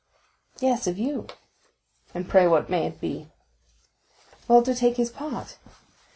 "Yes, of you." "And pray what may it be?" "Well, to take his part."